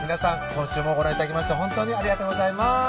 今週もご覧頂きまして本当にありがとうございます